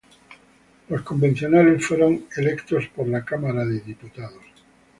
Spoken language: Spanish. Los convencionales fueron electos por la Cámara de Diputados.